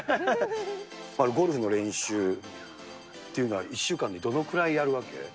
ゴルフの練習っていうのは１週間にどのくらいやるわけ？